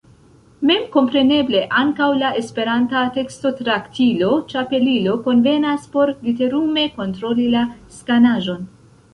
Memkompreneble ankaŭ la esperanta tekstotraktilo Ĉapelilo konvenas por literume kontroli la skanaĵon.